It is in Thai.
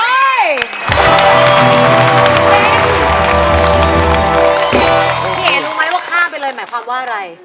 คุณเอ๊รู้มั้ยว่าค่ากไปเลยหมายความว่าอะไร